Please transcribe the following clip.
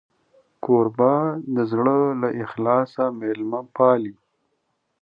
کوربه د زړه له اخلاصه میلمه پالي.